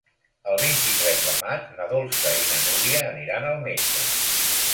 El vint-i-tres de maig na Dolça i na Núria aniran al metge.